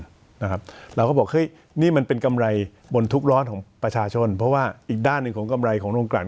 เราก็บอกเฮ้ยนี่มันเป็นกำไรบนทุกร้อนของประชาชนเพราะว่าอีกด้านหนึ่งของกำไรของโรงการ